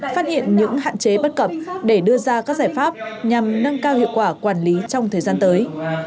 phát hiện những hạn chế bất cập để đưa ra các giải pháp nhằm nâng cao hiệu quả quản lý trong thời gian tới